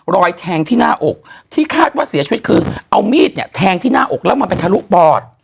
แทงที่หน้าอกที่คาดว่าเสียชีวิตคือเอามีดเนี่ยแทงที่หน้าอกแล้วมันไปทะลุปอด